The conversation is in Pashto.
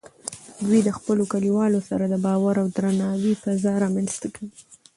دوی د خپلو کلیوالو سره د باور او درناوي فضا رامینځته کوي.